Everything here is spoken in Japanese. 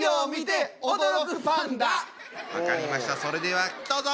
分かりましたそれではどうぞ！